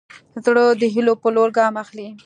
زړه د هيلو په لور ګام اخلي.